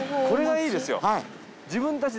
これがいいですよ。